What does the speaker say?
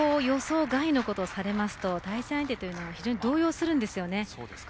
予想外のことをされますと対戦相手というのは非常に動揺するんですよね。